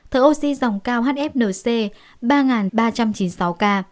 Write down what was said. thở oxy dòng cao hfnc ba ba trăm chín mươi sáu ca